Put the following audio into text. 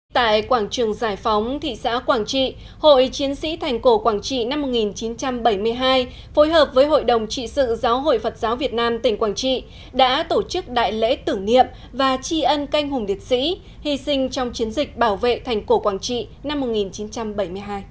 tại quảng trường giải phóng thị xã quảng trị hội chiến sĩ thành cổ quảng trị năm một nghìn chín trăm bảy mươi hai phối hợp với hội đồng trị sự giáo hội phật giáo việt nam tỉnh quảng trị đã tổ chức đại lễ tử niệm và tri ân canh hùng liệt sĩ hy sinh trong chiến dịch bảo vệ thành cổ quảng trị năm một nghìn chín trăm bảy mươi hai